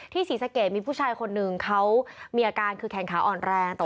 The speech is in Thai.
ศรีสะเกดมีผู้ชายคนหนึ่งเขามีอาการคือแขนขาอ่อนแรง